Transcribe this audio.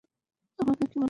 আমাকে কী মনে করো?